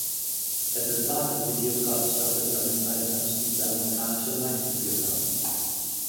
Es ist wahr, dass die Biokraftstoffe zu einem Preisanstieg bei amerikanischem Mais geführt haben.